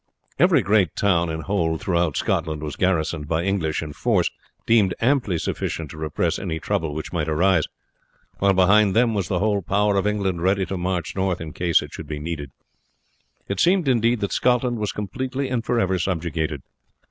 Every great town and hold throughout Scotland was garrisoned by English in force deemed amply sufficient to repress any trouble which might arise, while behind them was the whole power of England ready to march north in case it should be needed. It seemed, indeed, that Scotland was completely and for ever subjugated.